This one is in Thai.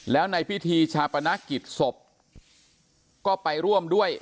แล้วในพิธีชาปนกิจศพก็ไปร่วมด้วย